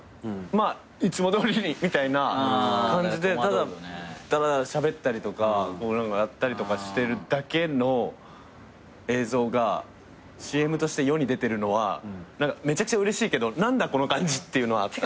まあいつもどおりにみたいな感じでただしゃべったりとか何かやったりとかしてるだけの映像がＣＭとして世に出てるのはめちゃくちゃうれしいけど何だこの感じっていうのはあった。